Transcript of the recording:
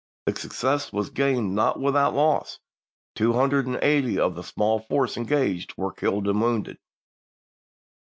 The success was gained not without loss; two hundred and eighty of the small force engaged were killed and wounded.